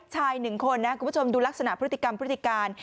หนึ่งคนนะคุณผู้ชมดูลักษณะพฤติกรรมพฤติการ